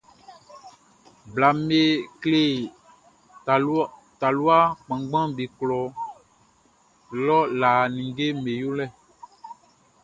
Blaʼm be kle talua kannganʼm be klɔ lɔ lã ninngeʼm be yolɛ.